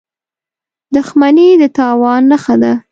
• دښمني د تاوان نښه ده.